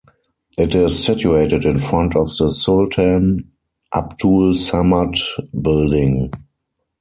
It is situated in front of the Sultan Abdul Samad Building.